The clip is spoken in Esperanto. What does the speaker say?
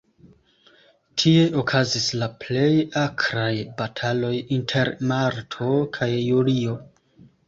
Tie okazis la plej akraj bataloj, inter marto kaj julio.